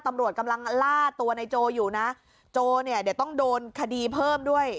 ตำรวจกำลังล่าตัวในโจอยู่นะโจเนี่ยเดี๋ยวต้องโดนคดีเพิ่มด้วย